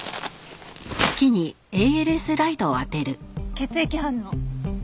血液反応。